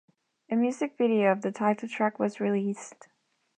A music video of the title track was released.